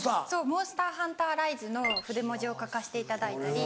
『モンスターハンターライズ』の筆文字を書かせていただいたり。